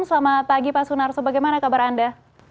selamat pagi pak sunarso bagaimana kabar anda